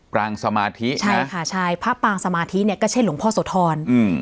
รางสมาธิใช่ค่ะใช่พระปางสมาธิเนี่ยก็ใช่หลวงพ่อโสธรอืม